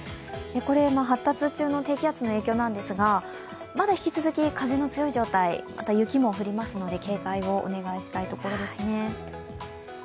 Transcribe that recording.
これ、発達中の低気圧の影響なんですがまだ引き続き風の強い状態、雪も降りますので警戒をお願いしたいところですね。